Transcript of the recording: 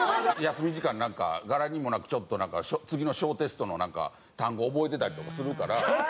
休み時間に柄にもなくちょっとなんか次の小テストの単語覚えてたりとかするから。